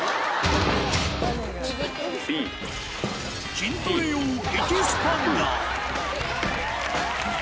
筋トレ用エキスパンダー。